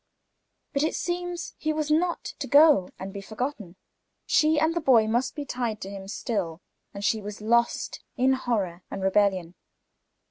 But it seems he was not to go and be forgotten; she and the boy must be tied to him still; and she was lost in horror and rebellion.